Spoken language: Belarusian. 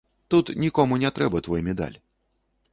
Тут нікому не трэба твой медаль.